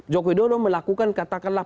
joko widodo melakukan katakanlah